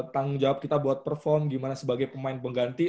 tanggung jawab kita buat perform gimana sebagai pemain pengganti